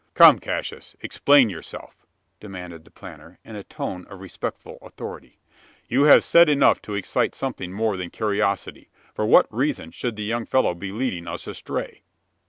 "Come, Cassius, explain yourself!" demanded the planter, in a tone of respectful authority. "You have said enough to excite something more than curiosity. For what reason should the young fellow be leading us astray?"